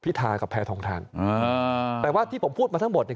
ทากับแพทองทานอ่าแต่ว่าที่ผมพูดมาทั้งหมดเนี่ย